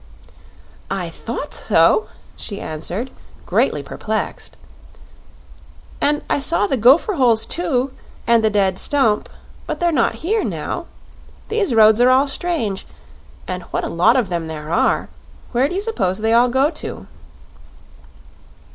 "I thought so," she answered, greatly perplexed. "And I saw the gopher holes, too, and the dead stump; but they're not here now. These roads are all strange and what a lot of them there are! Where do you suppose they all go to?"